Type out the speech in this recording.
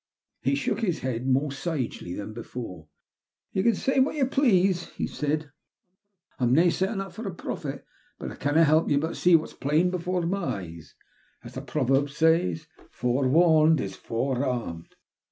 He shook his head more sagely than before. " Ye can say what ye please," he said, " I'm nae settin' up for a prophet, but I canna help but see what's put plain before my eyes. As the proverb says — 'Forewarned is forearmed.'